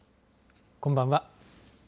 こんばんは。